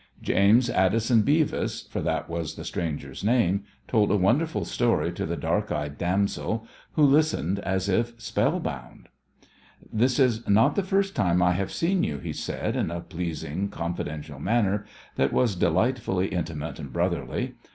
James Addison Beavis, for that was the stranger's name, told a wonderful story to the dark eyed damsel, who listened as if spellbound. "This is not the first time I have seen you," he said in a pleasing, confidential manner that was delightfully intimate and brotherly.